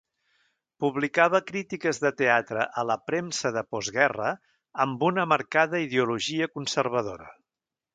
Publicava crítiques de teatre a la premsa de postguerra, amb una marcada ideologia conservadora.